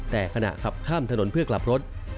แต่ขณะขับข้ามถนนเพื่อกลับรถ